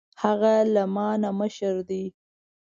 هغه له ما نه مشر ده